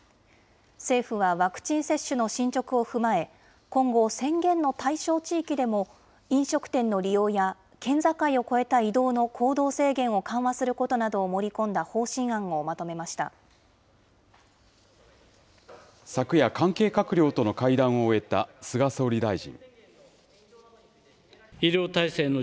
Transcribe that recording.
政府はワクチン接種の進捗を踏まえ、今後、宣言の対象地域でも、飲食店の利用や県境を越えた移動の行動制限を緩和することなどを昨夜、関係閣僚との会談を終えた菅総理大臣。